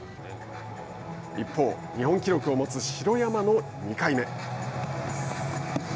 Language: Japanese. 一方日本記録を持つ城山の２回目。